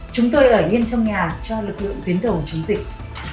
chúng tôi ở bên trong nhà cho lực lượng tuyến đầu chống dịch